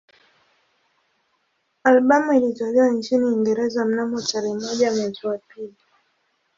Albamu ilitolewa nchini Uingereza mnamo tarehe moja mwezi wa pili